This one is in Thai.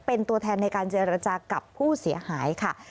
เป็นตัวแทนในการเจรจากับผู้เสียหายค่ะ